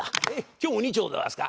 今日も２丁でございますか？